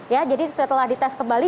ya jadi setelah dites kembali